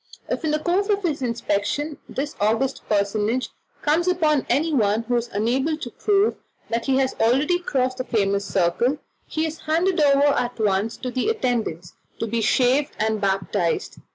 If in the course of his inspection this august personage comes upon anyone who is unable to prove that he has already crossed the famous circle, he is handed over at once to the attendants, to be "shaved and baptized."